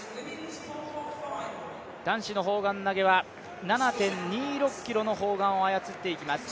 男子の砲丸投は７．２６ｋｇの砲丸を操っていきます。